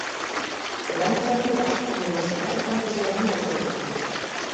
Orain tranbia unibertsitate-campuseraino heltzen da.